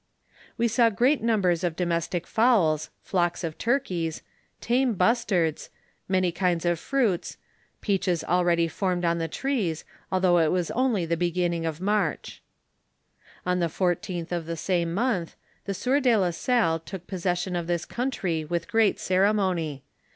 We saw great numbers of domestic fowls, flocks of turkeys, tame bustards, many kinds of fruits, peaches already formed on the trees, although it was only the beginning of March. On the 14th of the same month, the sieur de la Salle took possession of this country with great ceremony.